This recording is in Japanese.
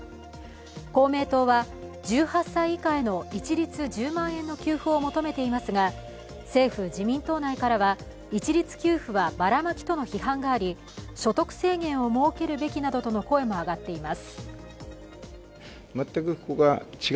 公明党は、１８歳以下に現金１０万円の給付を求めていますが政府・自民党内からは一律給付はバラマキとの批判があり、所得制限を設けるべきなどとの声も上がっています。